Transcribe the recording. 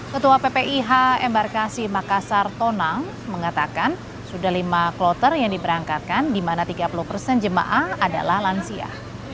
ketua ppih embarkasi makassar tonang mengatakan sudah lima kloter yang diberangkatkan di mana tiga puluh persen jemaah adalah lansia